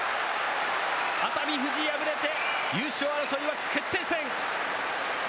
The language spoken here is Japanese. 熱海富士、敗れて、優勝争いは決定戦。